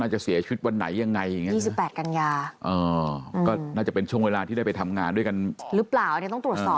น่าจะเสียชุดวันไหนยังไง